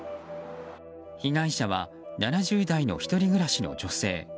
被害者は７０代の１人暮らしの女性。